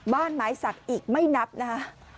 บ้านไม้สักอีกไม่นับนะคะ